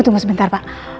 tunggu sebentar pak